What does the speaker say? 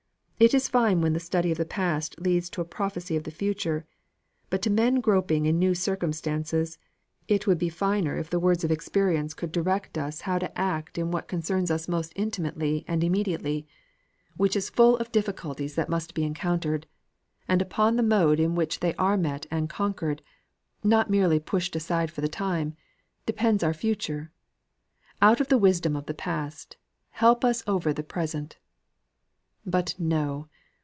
It is fine when the study of the past leads to a prophecy of the future. But to men groping in new circumstances, it would be finer if the words of experience could direct us how to act in what concerns us most intimately and immediately; which is full of difficulties to be encountered; and upon the mode in which they are met and conquered not merely pushed aside for the time depends our future. But no!